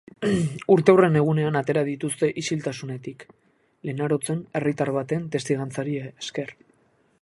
Urteurren egunean atera dituzte isiltasunetik Lenarotzen, herritar baten testigantzari esker.